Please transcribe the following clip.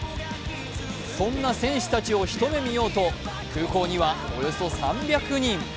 そんな選手たちを一目見ようと空港にはおよそ３００人。